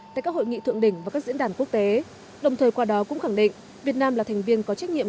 tại các hội nghị thượng đỉnh và các diễn đàn quốc tế đồng thời qua đó cũng khẳng định việt nam là thành viên có trách nhiệm